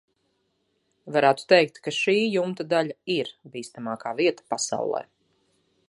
Varētu teikt, ka šī jumta daļa ir bīstamākā vieta pasaulē.